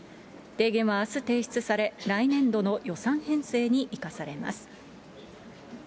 提言はあす提出され、来年度の予算編成に生かされます。